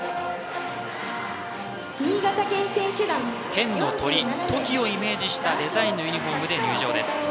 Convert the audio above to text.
県の鳥、トキをイメージしたデザインのユニフォームで入場です。